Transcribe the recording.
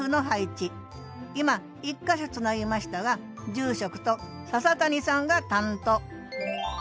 今１か所つなぎましたが住職と笹谷さんが担当。